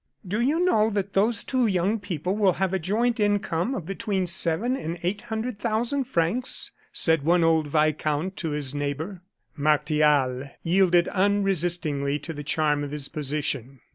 "Do you know that those two young people will have a joint income of between seven and eight hundred thousand francs!" said one old viscount to his neighbor. Martial yielded unresistingly to the charm of his position.